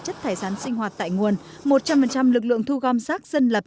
chất thải rắn sinh hoạt tại nguồn một trăm linh lực lượng thu gom xác dân lập